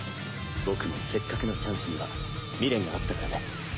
僕もせっかくのチャンスには未練があったからね。